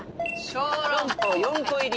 小籠包４個入り。